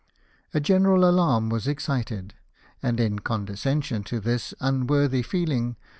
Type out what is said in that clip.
A general alarm was excited ; and, in condescension to this un worthy feeling.